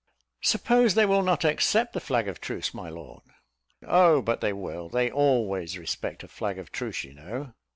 "Suppose they will not accept the flag of truce, my lord?" "Oh, but they will: they always respect a flag of truce, you know."